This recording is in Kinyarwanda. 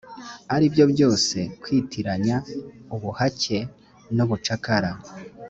ari byo byose kwitiranya ubuhake n ubucakara